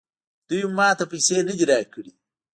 دوی هم ماته پیسې نه دي راکړي